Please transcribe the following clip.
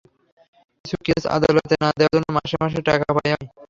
কিছু কেস আদালতে না দেয়ার জন্য মাসে মাসে টাকা পাই আমি।